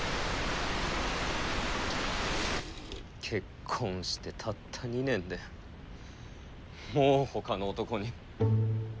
結婚してたった２年でもうほかの男に。